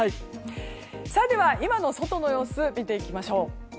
では、今の外の様子を見ていきます。